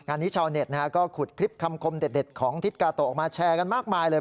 นี้ชาวเน็ตก็ขุดคลิปคำคมเด็ดของทิศกาโตะออกมาแชร์กันมากมายเลย